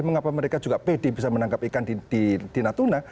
mengapa mereka juga pede bisa menangkap ikan di natuna